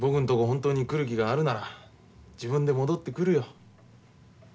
本当に来る気があるなら自分で戻ってくるよ。